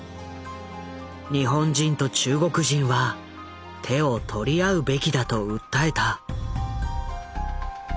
日本人と中国人は手を取り合うべきだと訴えた。